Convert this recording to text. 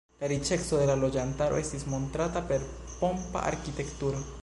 La riĉeco de la loĝantaro estis montrata per pompa arkitekturo.